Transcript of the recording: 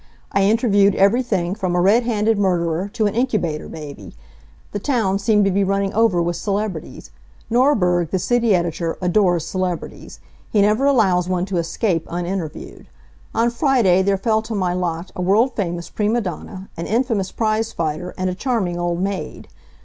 I interviewed everything from a red handed murderer to an incubator baby. The town seemed to be running over with celebrities. Norberg, the city editor, adores celebrities. He never allows one to escape uninterviewed. On Friday there fell to my lot a world famous prima donna, an infamous prize fighter, and a charming old maid.